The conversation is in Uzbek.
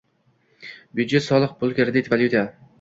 byudjet-soliq, pul-kredit, valyuta